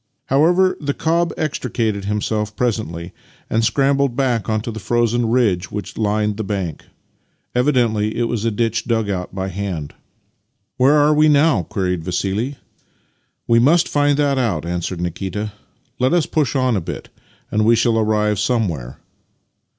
However, the cob extricated himself presently, and scrambled back onto the frozen ridge which lined the bank. Evidently it was a ditch dug out by hand. " Where are we now? " queried Vassili. " We must find that out," answered Nikita. " Let us push on a bit, and we shall arrive somewhere."